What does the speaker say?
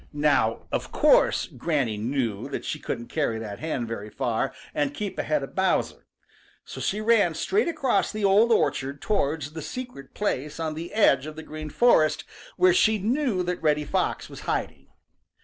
Now, of course Granny knew that she couldn't carry that hen very far and keep ahead of Bowser, so she ran straight across the Old Orchard towards the secret place on the edge of the Green Forest where she knew that Reddy Fox was hiding.